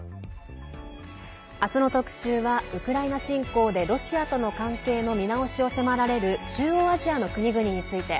明日の特集は、ウクライナ侵攻でロシアとの関係の見直しを迫られる中央アジアの国々について。